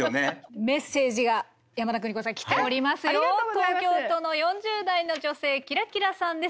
東京都の４０代の女性キラキラさんです。